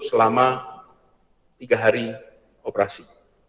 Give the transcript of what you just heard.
selama tiga hari operasi